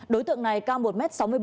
đối tượng này cao một m sáu mươi bảy